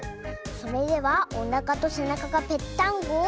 それでは「おなかとせなかがぺっタンゴ」を。